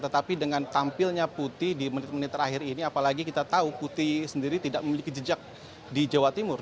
tetapi dengan tampilnya putih di menit menit terakhir ini apalagi kita tahu putih sendiri tidak memiliki jejak di jawa timur